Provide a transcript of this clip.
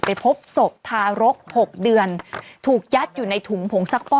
พบศพทารก๖เดือนถูกยัดอยู่ในถุงผงซักป้อ